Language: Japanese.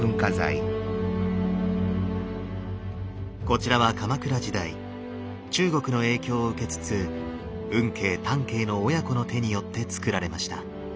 こちらは鎌倉時代中国の影響を受けつつ運慶湛慶の親子の手によって造られました。